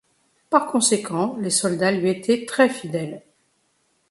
Par conséquent, ses soldats lui étaient très fidèles.